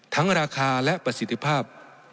ราคาและประสิทธิภาพ